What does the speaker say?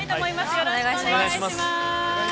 よろしくお願いします。